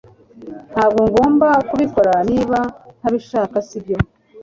Ntabwo ngomba kubikora niba ntabishaka sibyo